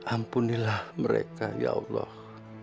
ampunilah mereka ya allah